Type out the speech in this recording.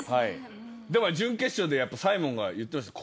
準決勝でサイモンが言っていました。